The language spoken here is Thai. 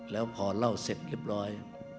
แล้วพอเล่าเสร็จเรียบร้อย